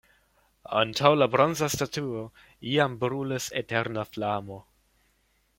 Antaŭ la bronza statuo iam brulis eterna flamo.